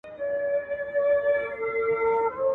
له هیواده د منتر د کسبګرو.